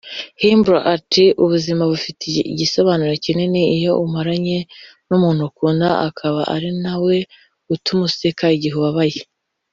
Humble ati “Ubuzima bufite igisobanuro kinini iyo ubumaranye n’umuntu ukunda akaba ari nawe utuma useka igihe ubabaye